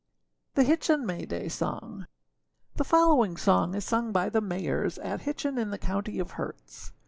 THE HITCHIN MAY DAY SONG. [THE following song is sung by the Mayers at Hitchin in the county of Herts.